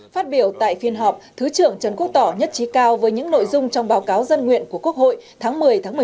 phát biểu tại phiên họp thứ trưởng trần quốc tỏ nhất trí cao với những nội dung trong báo cáo dân nguyện của quốc hội tháng một mươi một mươi một hai nghìn hai mươi ba